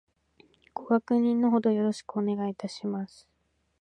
ご確認の程よろしくお願いいたします